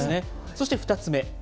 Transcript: そして、２つ目。